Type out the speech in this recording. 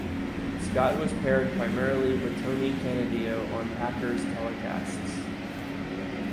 Scott was paired primarily with Tony Canadeo on Packers telecasts.